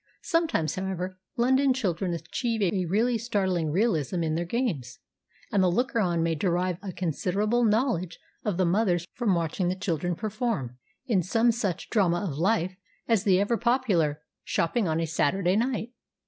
Sometimes, however, London children achieve a really startling realism in their games ; and the looker on may derive a considerable knowledge of the mothers from watching the children perform CHILDREN'S DRAMA 221 in some such drama of life as the ever popular " Shopping on Saturday Night."